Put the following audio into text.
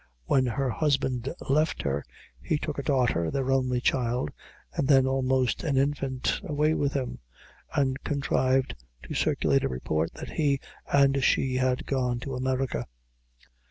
When her husband left her, he took a daughter, their only child, then almost an infant, away with him, and contrived to circulate a report that he and she had gone to America.